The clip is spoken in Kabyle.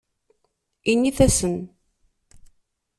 Init-asen.